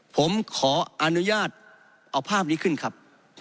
ผมขออนุญาตเอาภาพนี้ขึ้นครับ